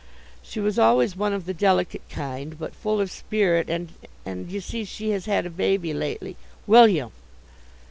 "She was always one of the delicate kind, but full of spirit, and and you see she has had a baby lately " "William!"